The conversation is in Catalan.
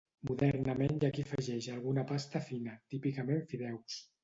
Modernament hi ha qui afegeix alguna pasta fina, típicament fideus.